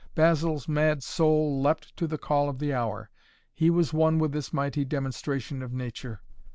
Basil's mad soul leapt to the call of the hour. He was one with this mighty demonstration of nature.